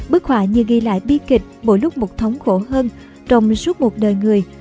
bức họa như ghi lại bi kịch mỗi lúc một thống khổ hơn trong suốt một đời người